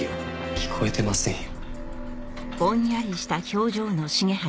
聞こえてませんよ。